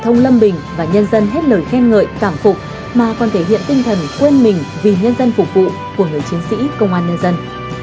ông lâm bình và nhân dân hết lời khen ngợi cảm phục mà còn thể hiện tinh thần quên mình vì nhân dân phục vụ của người chiến sĩ công an nhân dân